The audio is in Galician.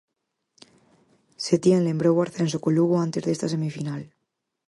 Setién lembrou o ascenso co Lugo antes desta semifinal.